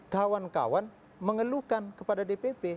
kawan kawan mengeluhkan kepada dpp